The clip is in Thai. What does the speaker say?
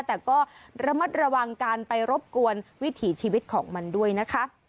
แต่ก็ระมัดระวังการไปรบกวนวิถีชีวิตของมันด้วยนะคะ